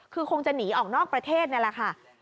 คือคงจะหนีออกนอกประเทศนี่แหละค่ะ